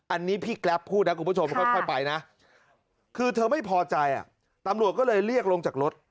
อันนี้พี่แกรปพูดนะคุณผู้ชมค่อยไปนะคือเธอไม่พอใจตำรวจก็เลยเรียกลงจากรถ